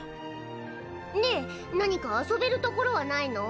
ねえ何か遊べる所はないの？